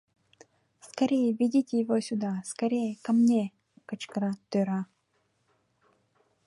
— Скорее ведите его сюда, скорее ко мне! — кычкыра тӧра.